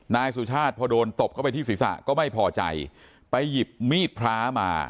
นายสุชาติพอโดนตบเข้าไปที่ศีรษะก็ไม่พอใจไปหยิบมีดพระมา